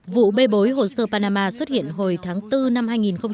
vụ bê bối hoser panama xuất hiện hồi tháng bốn năm hai nghìn một mươi sáu